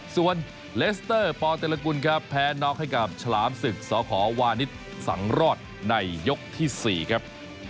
ส่วนเลสเตอร์ปเตรกุลครับแพ้น็อกให้กับฉลามศึกสขวานิสสังรอดในยกที่๔ครับ